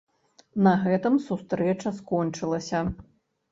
На гэтым сустрэча скончылася.